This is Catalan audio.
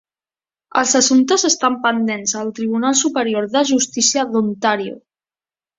Els assumptes estan pendents al Tribunal Superior de Justícia d'Ontario.